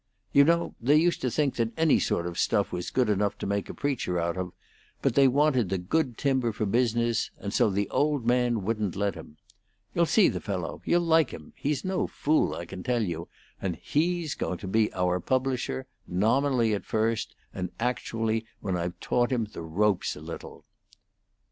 You know they used to think that any sort of stuff was good enough to make a preacher out of; but they wanted the good timber for business; and so the old man wouldn't let him. You'll see the fellow; you'll like him; he's no fool, I can tell you; and he's going to be our publisher, nominally at first and actually when I've taught him the ropes a little."